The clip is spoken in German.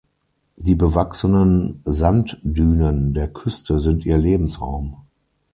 Die bewachsenen Sanddünen der Küste sind ihr Lebensraum.